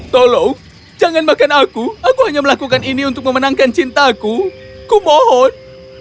tolong jangan makan aku aku hanya melakukan ini untuk memenangkan cintaku kumohon